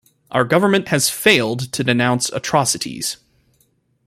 Our government has failed to denounce atrocities.